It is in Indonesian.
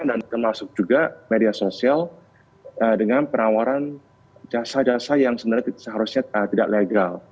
dan termasuk juga media sosial dengan penawaran jasa jasa yang sebenarnya seharusnya tidak legal